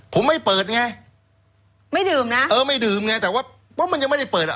ผมไม่เปิดไงไม่ดื่มนะแต่ว่ามันยังไม่ได้เปิด